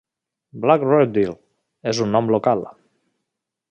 "Black redbill" és un nom local.